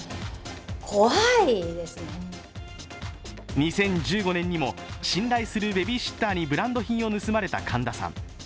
２０１５年にも、信頼するベビーシッターにブランド品を盗まれた神田さん。